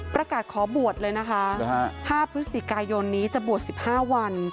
ประกาศขอบวชเลยนะคะ๕พฤศจิกายนนี้จะบวช๑๕วัน